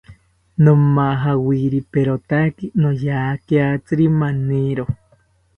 Nomajawiriperotaki noyakiatziri maniro